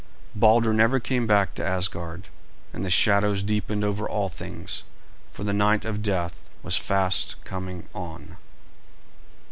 Balder never came back to Asgard, and the shadows deepened over all things, for the night of death was fast coming on.